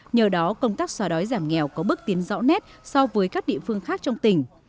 nhờ đó công tác xóa đói giảm nghèo có bước tiến rõ nét so với các địa phương khác trong tỉnh